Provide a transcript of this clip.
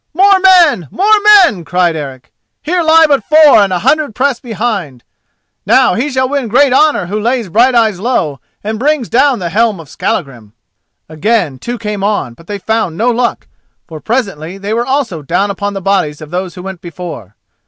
"More men! more men!" cried Eric. "Here lie but four and a hundred press behind. Now he shall win great honour who lays Brighteyes low and brings down the helm of Skallagrim." Again two came on, but they found no luck, for presently they also were down upon the bodies of those who went before.